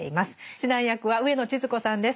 指南役は上野千鶴子さんです。